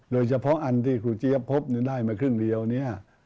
โดยเฉพาะอันที่ครูเจี๊ยบพบได้มาครึ่งเดียวเนี่ย